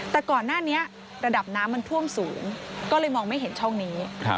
แต่ก่อนหน้านี้ระดับน้ำมันท่วมสูงก็เลยมองไม่เห็นช่องนี้